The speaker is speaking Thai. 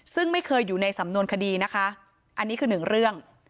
ซึ่งไม่เคยอยู่ในสำนวนคดีนะคะอันนี้คือหนึ่งเรื่อง